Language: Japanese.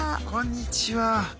こんにちは。